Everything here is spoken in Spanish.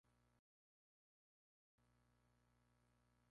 Sin embargo, regularmente hay intentos de robar las monedas de la fuente.